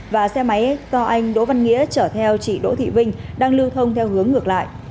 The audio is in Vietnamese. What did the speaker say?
và xe máy do anh đỗ văn nghĩa chở theo chị đỗ thị vinh đang lưu thông theo hướng ngược lại